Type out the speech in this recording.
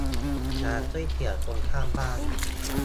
ร้านก๋วยเตี๋ยวตรงข้ามบ้าน